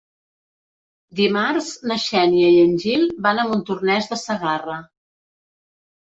Dimarts na Xènia i en Gil van a Montornès de Segarra.